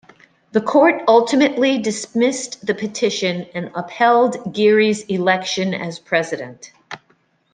The Court ultimately dismissed the petition and upheld Giri's election as President.